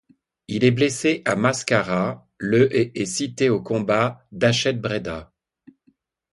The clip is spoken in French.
Il est blessé à Mascara le et est cité au combat d'Achet Breda.